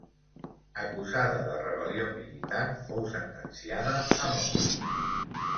Acusada de Rebel·lió militar, fou sentenciada a mort.